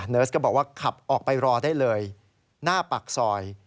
ิร์สก็บอกว่าขับออกไปรอได้เลยหน้าปากซอย